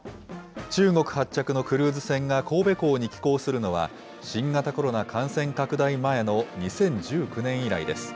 中国発着のクルーズ船が神戸港に寄港するのは、新型コロナ感染拡大前の２０１９年以来です。